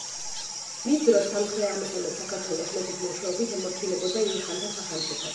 მის დროს სამცხე აღმოსავლეთ საქართველოს მეფის მეშვეობით ემორჩილებოდა ილხანთა სახელმწიფოს.